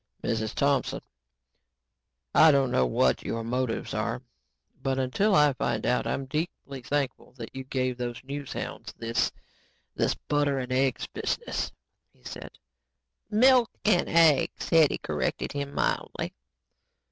"Mrs. Thompson, I don't know what your motives are but until I find out, I'm deeply thankful that you gave those news hounds this ... this, butter and egg business," he said. "Milk and eggs," Hetty corrected him mildly.